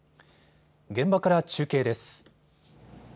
現場から中継です。